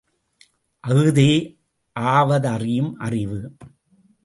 அஃதே ஆவதறியும் அறிவு!